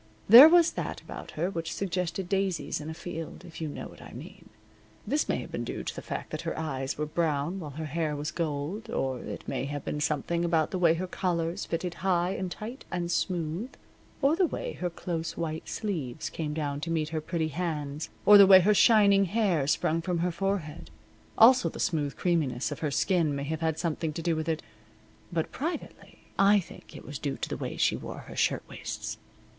There was that about her which suggested daisies in a field, if you know what I mean. This may have been due to the fact that her eyes were brown while her hair was gold, or it may have been something about the way her collars fitted high, and tight, and smooth, or the way her close white sleeves came down to meet her pretty hands, or the way her shining hair sprang from her forehead. Also the smooth creaminess of her clear skin may have had something to do with it. But privately, I think it was due to the way she wore her shirtwaists.